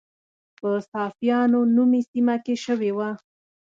په صافیانو نومي سیمه کې شوې وه.